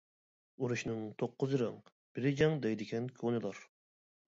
ئۇرۇشنىڭ توققۇزى رەڭ، بىر جەڭ دەيدىكەن كونىلار.